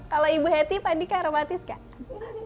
kalau ibu hattie pak andika romantis nggak